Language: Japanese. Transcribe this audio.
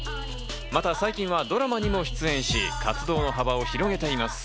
また最近はドラマにも出演し、活動の幅を広げています。